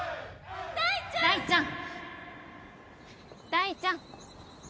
大ちゃん